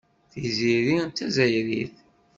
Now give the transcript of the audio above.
Tiziri d Tazzayrit.